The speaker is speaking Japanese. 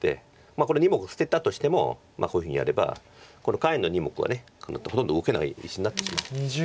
これ２目捨てたとしてもこういうふうにやればこの下辺の２目はほとんど動けない石になってしまう。